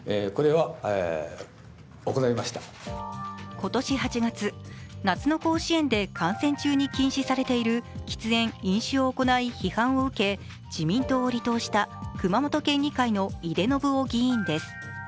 今年８月、夏の甲子園で観戦中に禁止されている喫煙・飲酒を行い批判を受け、自民党を離党した熊本県議会の井手順雄議員です。